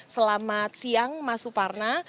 selamat siang mas suparna